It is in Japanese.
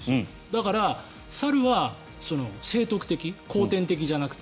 だから、猿は生得的後天的じゃなくて。